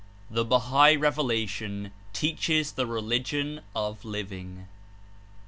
142 THE BAHAI REVELATION TEACHES THE RELIGION OF LIVING.